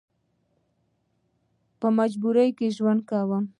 په مجبورۍ کې ژوند کوي.